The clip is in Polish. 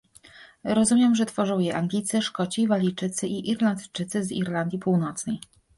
Rozumiem, że tworzą je Anglicy, Szkoci, Walijczycy i Irlandczycy z Irlandii Północnej